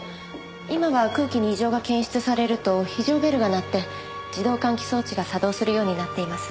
今は空気に異常が検出されると非常ベルが鳴って自動換気装置が作動するようになっています。